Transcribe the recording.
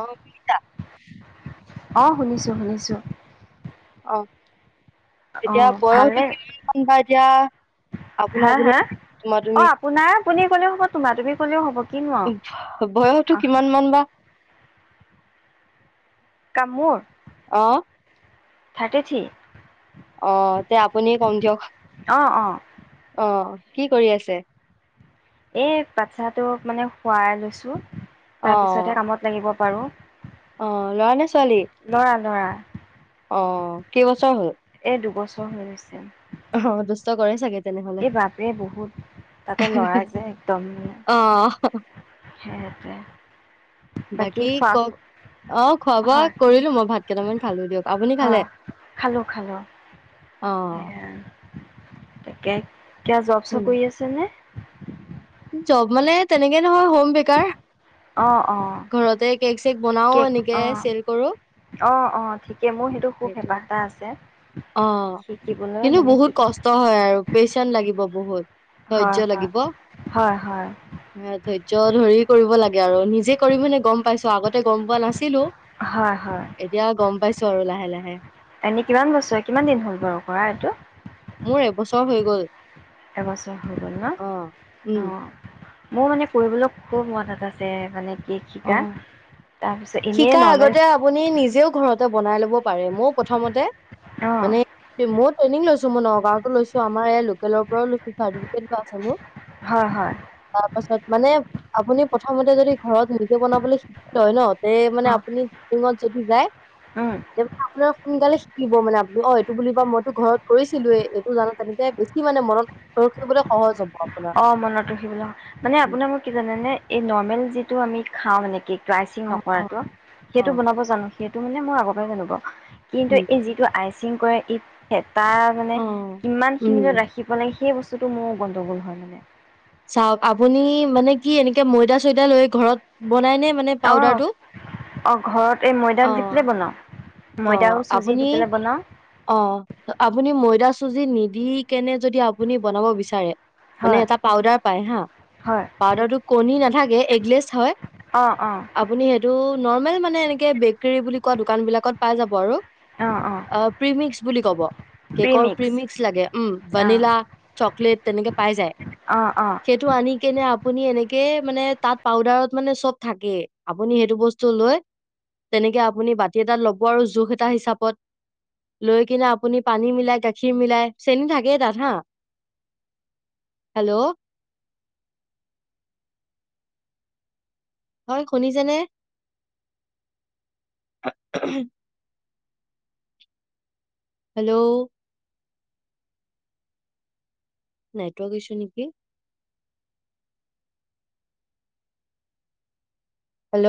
অ শুনিছা। অ শুনিছোঁ শুনিছোঁ। অ। এতিয়া ভালে বয়সতটো কিমান মান বা এতিয়া আপুনা হা আপুনি হা তোমাৰ অ তুমি আপোনাৰ আপুনি ক'লেও হ'ব তোমাৰ তুমি ক'লেও হ'ব কিনো বয়সটো আও কিমান মান বা? কামোৰ অঁ থাৰ্টি থ্ৰী অঁ তে আপুনিয়ে কম দিয়ক অ অ অঁ কি কৰি আছে এই বাটচ্ছাটোক মানে শুৱাই লৈছো। তাৰ পিছতহে কামত লাগিব। পাৰোঁ অঁ ল'ৰা নে ছোৱালী ল'ৰা ল'ৰা অঁ কেইবছৰ হ'ল- এই দুবছৰ হৈ গৈছে। অঁ দুস্ত কৰেই চাগে। তেনেহলে এই বাপেৰে বহুত তাতে লৰাই যায় একদম অ সিহতে- বাকী কওক অঁ খোৱা বোৱা হয় কৰিলো মই ভাত কেইটামান খালো দিয়ক আপুনি খালে হয় খালোঁ খালোঁ অঁ- [unintelligible] কিয় জব চব উম। কৰি আছে নে জব মানে তেনেকে নহয় হোম বেকাৰ অ অ ঘৰতে কেক চেক বনাও কেক এনেকে অঁ চেল কৰো। অঁ অঁ ঠিক এ মোৰ সেইটো খুব হেঁপাহ এটা আছে। অঁ শিকিবলৈ কিন্তু মানে বহুত শিক কষ্ট হয় আৰু পেচেণ্ট লাগিব বহুত হয় ধৈৰ্য হয় লাগিব হয় হয় ধৈৰ্য্য ধৰি কৰিব লাগে আৰু নিজৰ নিজে কৰিম মানে গম পাইছো আগতে গম পোৱা নাছিলো। হয় হয় এতিয়া গম পাইছো আৰু লাহে লাহে এনেই কিমান বস্তু কিমান দিন হ'ল বাৰু কৰা় এইটো মোৰ এবছৰ হৈ গ'ল এবছৰ হৈ গ'ল ন অ উম। অঁ মোৰ মানে কৰিবলৈ খুব মন এটা আছে মানে কেক শিকা অ' তাৰপিছত এনেই শিকাৰ নৰ্মেল আগতে আপুনি নিজেও ঘৰত- বনাই ল'ব পাৰি। ময়ো প্ৰথমতে- অঁ মানে মই টেৰ্নিং লৈছো! মই নগাঁৱতো লৈছো আমাৰ এয়া লোকেলৰ পৰাও লৈছো চাৰ্টিফিকেট লোৱা আছে মোৰ হয় হয় তাৰপাছত মানে আপুনি প্ৰথমতে যদি ঘৰত নি বনাবলৈ শিকি লয় ন এ মানে অঁ আপুনি টেইনিঙত যদি যায় উম। তেতিয়া আপুনি সোনকালে শিকিব ব মানে আপুনি অ এইটো বুলিবা মইতো ঘৰত কৰিছিলোয়ে এইটো জানো তেনেকে বেছি মানে মনত ঘৰত কৰিবলৈ সহজ হ'ব আপোনাৰ। অ মনত ৰাখিবলৈ মানে আপোনাৰ মোক কি জানে নে নৰ্মেল যিটো আমি খাওঁ এনে কেক আইচিং অ অ নকৰাটো অ সেইটো বনাব জানো সেইটো মানে মোৰ আগৰ পাই জানোবাও কিন্তু উম এই যিটো আইছে চিং কৰে ঈদ খেদ তাৰ মানে অ কিমান উম খিনিলৈ ৰাখিব লাগে সেই বস্তু যিটো মোৰ গণ্ডগোল হয় মানে চাওক আপুনি মানে কি এনেকে ময়দা চয়দা লৈ ঘৰত বনাই নে মানে অ পাউদাৰটো? অ ঘৰত এই ময়দা অ দি পেলাই বনাও অ আপুনি অ আপুনি ময়দা চুজি নিদি কেনে যদি আপুনি বনাব বিচাৰে মানে হয় এটা পাউদাৰ পায় হা হয় পাউদাৰতটো কণী নাথাকে এগলেছ হয় অ', অ', আপুনি সেইটো নৰ্মেল মানে এনেকে বেকেৰী বুলি কোৱা দোকান বিলাকত পাই যাব আৰু অ', অ', প্ৰিমিক্স বুলি কব কেকৰ প্ৰিমিক্স লাগে উম অ', ভনিলা চকলেট তেনেকে পাই যায় অ', অ', সেইটো আনি কেনে আপুনি এনেকে মানে তাত পাউদাৰত মানে চব থাকে আপুনি সেইটো বস্তু লৈ তেনেকে আপুনি বাতি এটাত ল ব আৰু জোখ এটা হিচাপত লৈ কিনে আপুনি পানী মিলাই গাখীৰ মিলাই চেনী থাকেই তাত হা হেল্ল' হয় শুনিছে নে অ হম হেল্ল' নেটৱৰ্ক ইছ্যু নেকি হেল্ল'